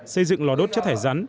xây dựng lò đốt chất thải rắn